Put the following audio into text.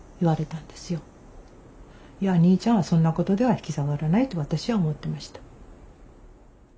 「いや兄ちゃんはそんなことでは引き下がらない」と私は思ってました。